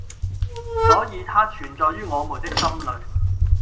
所以它存在於我們的心裏！